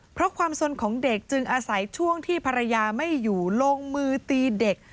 เพราะความสนของเด็กจึงอาศัยช่วงที่ภรรยาไม่อยู่ลงมือตีเด็ก